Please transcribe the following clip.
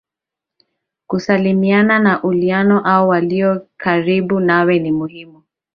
kusalimiana na ulionao au walio karibu nawe ni muhimu